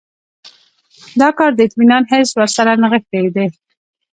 دا کار د اطمینان حس ورسره نغښتی دی.